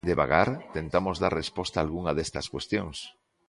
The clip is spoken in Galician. Devagar tentamos dar resposta a algunhas destas cuestións.